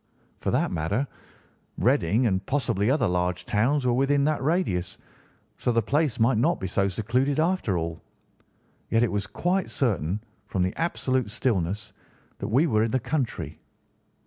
For that matter, Reading, and possibly other large towns, were within that radius, so the place might not be so secluded, after all. Yet it was quite certain, from the absolute stillness, that we were in the country.